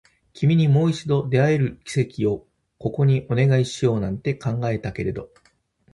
君にもう一度出会える奇跡をここにお願いしようなんて考えたけれど